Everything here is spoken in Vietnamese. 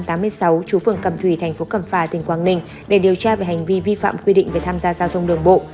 trú phường cầm thủy thành phố cầm phà tỉnh quang ninh để điều tra về hành vi vi phạm quy định về tham gia giao thông đường bộ